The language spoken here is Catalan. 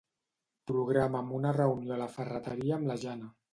Programa'm una reunió a la ferreteria amb la Jana.